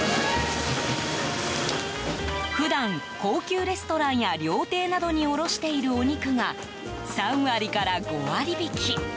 普段、高級レストランや料亭などに卸しているお肉が３割から５割引き。